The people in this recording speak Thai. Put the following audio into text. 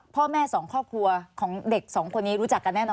พ่อแม่สองครอบครัวของเด็กสองคนนี้รู้จักกันแน่นอ